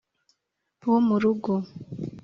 Wo mu rugo